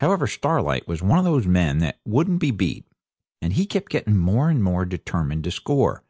However, Starlight was one of those men that won't be beat, and he kept getting more and more determined to score.